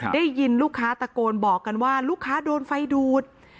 ได้ยินลูกค้าตะโกนบอกกันว่าลูกค้าโดนไฟดูด